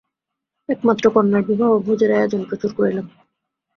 একমাত্র কন্যার বিবাহ, ভোজের আয়োজন প্রচুর করিলাম।